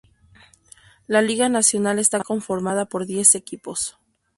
La liga Nacional está conformada por diez equipos.